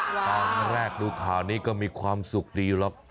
คำแรกดูข้านี่ก็มีความสุขดีหรอก